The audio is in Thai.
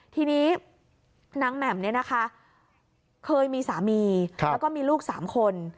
ทีนี้นางแหม่มเนี่ยนะคะเคยมีสามีแล้วก็มีลูก๓คน